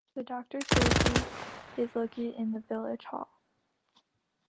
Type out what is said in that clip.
The doctor's surgery is located in the Village Hall.